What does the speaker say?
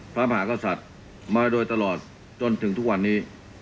พระมหากษัตริย์มาโดยตลอดจนถึงทุกวันนี้